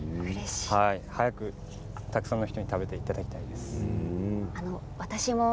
早くたくさんの人に食べていただきたいです。